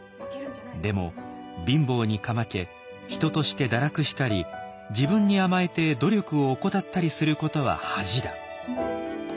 でも貧乏にかまけ人として堕落したり自分に甘えて努力を怠ったりすることは恥だ。